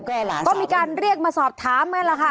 ต้องมีการเรียกมาสอบถามกันล่ะค่ะ